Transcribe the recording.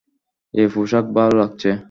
এই পোষাকে ভাল লাগছে।